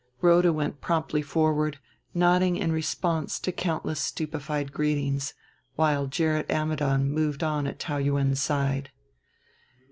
Rhoda went promptly forward, nodding in response to countless stupefied greetings; while Gerrit Ammidon moved on at Taou Yuen's side.